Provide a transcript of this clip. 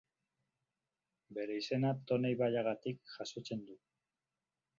Bere izena Tone ibaiagatik jasotzen du.